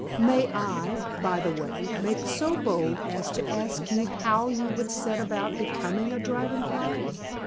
May I, by the way, make so bold as to ask you how you would set about becoming a Dragon Fly?